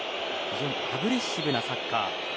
非常にアグレッシブなサッカー。